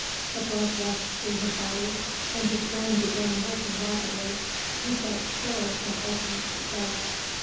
The blood rushed through his body and his brain began working rapidly. He felt sure of ultimate success.